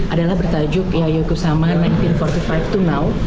adalah bertajuk yayoi kusama seribu sembilan ratus empat puluh lima to now